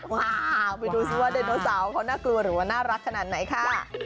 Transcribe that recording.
ไปดูซิว่าไดโนเสาร์เขาน่ากลัวหรือว่าน่ารักขนาดไหนค่ะ